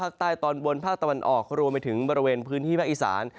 ตอนบนภาคตะวันออกรวมไปถึงบริเวณพื้นที่ภาคอีสาน